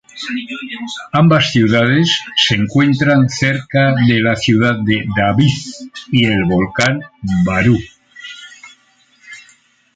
Ambas ciudades se encuentran cerca de la ciudad de David y el volcán Barú.